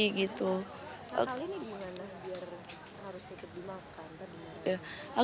hal ini bagaimana agar dapat dimakan